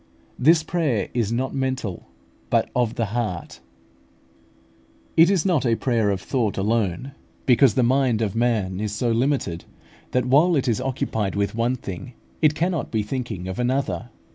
This prayer is not mental, but of the heart. It is not a prayer of thought alone, because the mind of man is so limited, that while it is occupied with one thing it cannot be thinking of another.